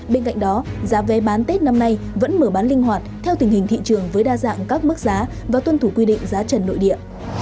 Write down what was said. bên cạnh đó giá vé bán tết năm nay vẫn mở bán linh hoạt theo tình hình thị trường với đa dạng các mức giá và tuân thủ quy định giá trần nội địa